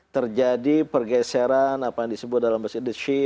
terjadi pergeseran apa yang disebut dalam bahasa indonesia